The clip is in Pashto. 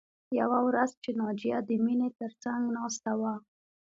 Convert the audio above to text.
یوه ورځ چې ناجیه د مینې تر څنګ ناسته وه